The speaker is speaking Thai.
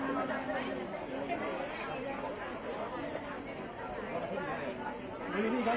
ท่าน๗๐ทางนี้๗๐๐อ่ะ